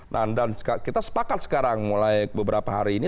nah dan kita sepakat sekarang mulai beberapa hari ini